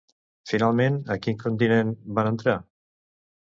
Finalment, a quin continent van entrar?